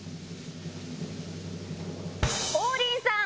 王林さん。